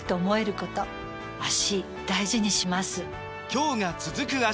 今日が、続く脚。